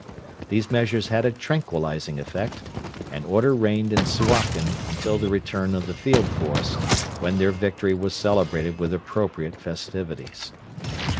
These measures had a tranquillising effect, and order reigned in Suakin until the return of the Field Force, when their victory was celebrated with appropriate festivities.